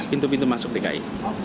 pintu pintu masuk dki